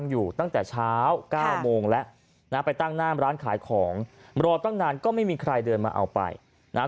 ถ้าติดตาจากภาพในภาพยนตร์มันต้องมีสารเคมีอยู่ในนั้น